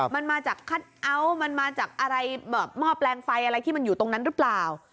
มันมาจากคัทเอาท์มันมาจากอะไรแบบหม้อแปลงไฟอะไรที่มันอยู่ตรงนั้นหรือเปล่า